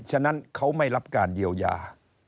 ฉะนั้นเขาไม่รับการเยียวยา